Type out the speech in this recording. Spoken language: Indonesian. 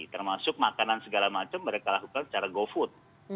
termasuk makanan segala macam mereka lakukan secara go food